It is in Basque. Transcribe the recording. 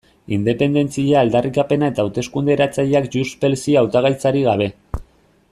Independentzia aldarrikapena eta hauteskunde eratzaileak JxSí hautagaitzarik gabe.